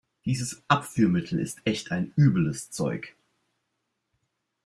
Dieses Abführmittel ist echt übles Zeug.